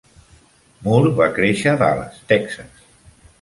Moor va créixer a Dallas, Texas.